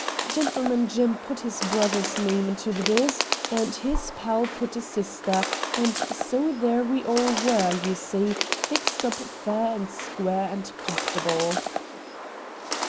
Gentleman Jim put his brother's name into the " biz." and his pal put a sister, and so there we all were, you see, fixed up fair and square and comfortable.'